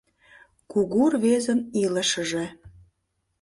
Кугу рвезын илышыже -